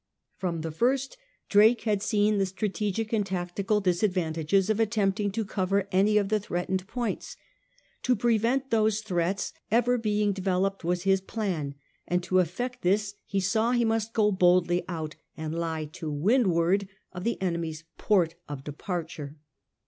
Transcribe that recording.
From the first Drake had seen the strategic and tactical disadvantages of attempting to cover any of the threatened points. To prevent those threats ever being developed was his plan ; and to effect this he saw he must go boldly out and lie to windward of the enemy's port of departure.